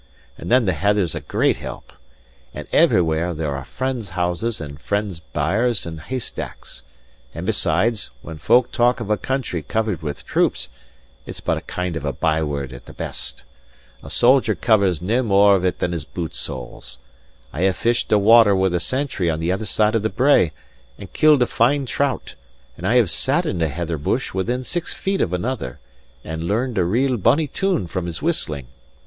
And then the heather's a great help. And everywhere there are friends' houses and friends' byres and haystacks. And besides, when folk talk of a country covered with troops, it's but a kind of a byword at the best. A soldier covers nae mair of it than his boot soles. I have fished a water with a sentry on the other side of the brae, and killed a fine trout; and I have sat in a heather bush within six feet of another, and learned a real bonny tune from his whistling.